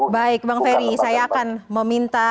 baik bang ferry saya akan meminta